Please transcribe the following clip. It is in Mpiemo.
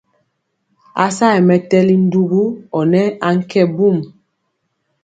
A sayɛ mɛtɛli ndugu ɔ nɛ ankɛ mbum.